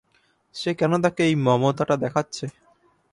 সে কেন তাঁকে এই মমতোটা দেখাচ্ছে?